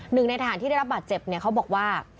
นึงในทหารที่ได้รับบัตรเจ็บเขาบอกว่า